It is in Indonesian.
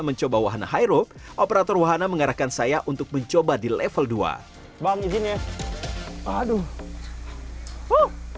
mencoba wahana high rope operator wahana mengarahkan saya untuk mencoba di level dua bang izin ya aduh